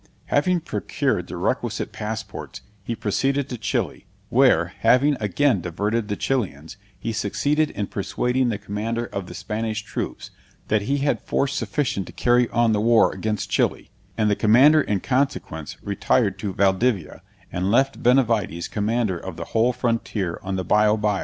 Having procured the requisite passports, he proceeded to Chili, where, having again diverted the Chilians, he succeeded in persuading the commander of the Spanish troops, that he had force sufficient to carry on the war against Chili; and the commander in consequence retired to Valdivia, and left Benavides commander of the whole frontier on the Biobio.